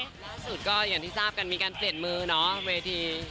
ล่าสุดก็อย่างที่ทราบกันมีการเปลี่ยนมือเนาะเวที